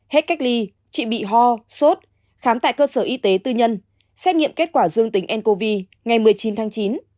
hết cách ly chị bị ho sốt khám tại cơ sở y tế tư nhân xét nghiệm kết quả dương tính ncov ngày một mươi chín tháng chín